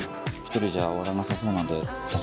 １人じゃ終わらなさそうなので。